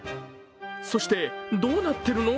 そしてどうなってるの？